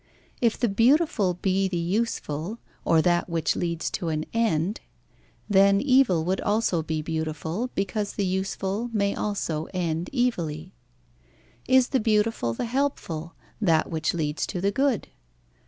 If the beautiful be the useful or that which leads to an end, then evil would also be beautiful, because the useful may also end evilly. Is the beautiful the helpful, that which leads to the good?